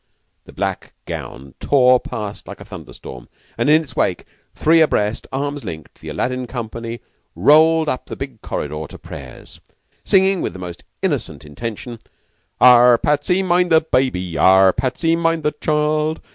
The black gown tore past like a thunder storm, and in its wake, three abreast, arms linked, the Aladdin company rolled up the big corridor to prayers, singing with most innocent intention: "Arrah, Patsy, mind the baby! Arrah, Patsy, mind the child!